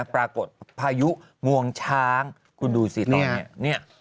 ปรากฏพายุงวงช้างคุณดูสิตอนเนี่ย